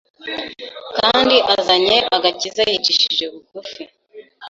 kandi azanye agakiza yicishije bugufi